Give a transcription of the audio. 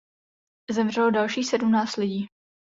Zemřelo dalších sedmnáct lidí.